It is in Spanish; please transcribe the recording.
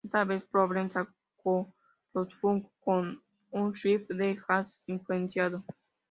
Esta vez, "Problem" saca lo funky con un riff de jazz-influenciado.